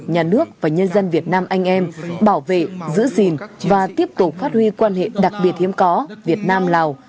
nhà nước và nhân dân việt nam anh em bảo vệ giữ gìn và tiếp tục phát huy quan hệ đặc biệt hiếm có việt nam lào